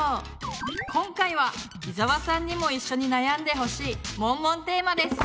今回は伊沢さんにも一緒に悩んでほしいモンモンテーマです。